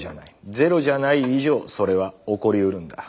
ゼロじゃない以上それは起こりうるんだ。